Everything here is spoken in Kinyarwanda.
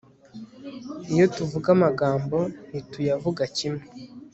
iyo tuvuga amagambo ntituyavuga kimwe